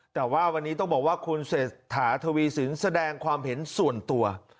แต่ว่าวันนี้ต้องบอกว่าคุณเศรษฐาทวีสินแสดงความเห็นส่วนตัว